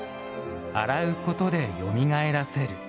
洗うことでよみがえらせる。